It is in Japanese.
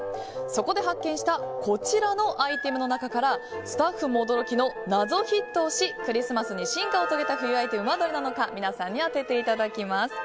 そこで発見したこちらのアイテムの中からスタッフも驚きの謎ヒットをしクリスマスに進化を遂げた冬アイテムはどれなのか皆さんに当てていただきます。